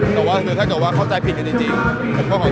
แต่ว่าถ้าเกิดว่าเข้าใจผิดกันจริงผมก็ขอ